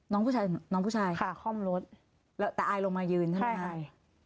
น้องผู้ชายน้องผู้ชายค่ะคล่อมรถแล้วแต่ไอลงมายืนใช่ไหมครับใช่ค่ะ